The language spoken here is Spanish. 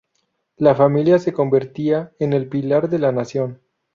La familia se convertía en el pilar de la nación.